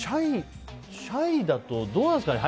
シャイだとどうなんですかね。